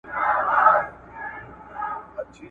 هم خوارځواكى هم په ونه ټيټ گردى وو ,